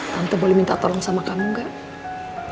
tante boleh minta tolong sama kamu gak